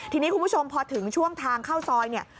ทีนี้คุณผู้ชมพอถึงช่วงทางเข้าซอยเนี่ย